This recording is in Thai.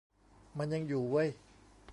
มันยังอยู่เว้ย